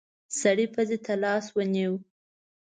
سړی پزې ته لاس ونيو.